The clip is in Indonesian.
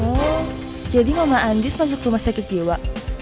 oh jadi mama andis masuk rumah sakit jiwa